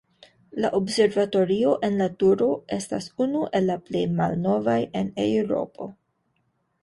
La observatorio en la turo estas unu el la plej malnovaj en Eŭropo.